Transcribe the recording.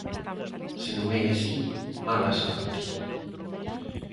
Se non é así, ¡mala sorte!